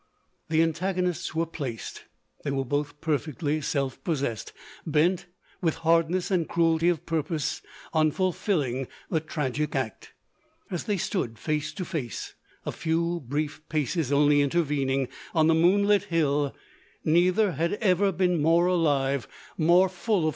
1 The antagonists were placed : they were both perfectly self possessed — bent, with hardness and cruelty of purpose, on fulfilling the tragic act. As they stood face to face — a few brief paces only intervening — on the moon lit hill — neither had ever been more alive, more full of 270 LODORE.